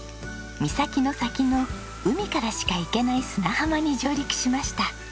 岬の先の海からしか行けない砂浜に上陸しました。